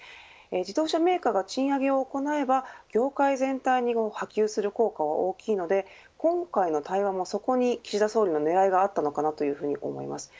自動車メーカーが賃上げを行えば業界全体に波及する効果は大きいので今回の対話も、そこに岸田総理の狙いがあったと思います。